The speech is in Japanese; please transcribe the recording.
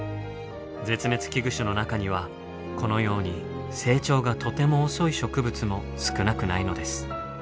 絶滅危惧種の中にはこのように成長がとても遅い植物も少なくないのです。